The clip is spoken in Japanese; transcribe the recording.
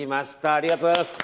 ありがとうございます。